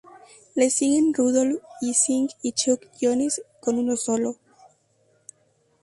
Les siguen Rudolf Ising y Chuck Jones, con uno solo.